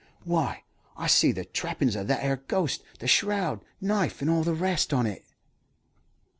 "Why, I see the trappin's of that 'ere ghost. The shroud, knife, and all the rest on't."